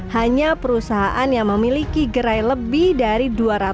hanya perusahaan yang memiliki gerai lebih dari dua ratus